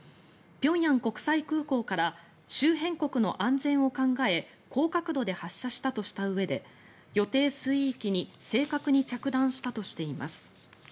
平壌国際空港から周辺国の安全を考え高角度で発射したとしたうえで予定水域に正確に着弾したとしています。